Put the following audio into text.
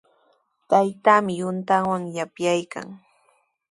Taytaami yuntawan yapyaykan.